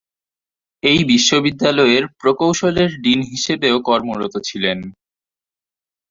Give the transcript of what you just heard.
এই বিশ্ববিদ্যালয়ের প্রকৌশলের ডীন হিসেবেও কর্মরত ছিলেন।